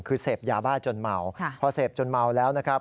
คือเสพยาบ้าจนเมาพอเสพจนเมาแล้วนะครับ